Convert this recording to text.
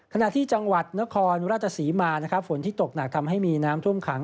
ขณะที่จังหวัดนครราชศรีมานะครับฝนที่ตกหนักทำให้มีน้ำท่วมขัง